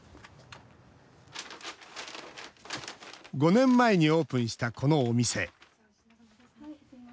５年前にオープンしたこのお店。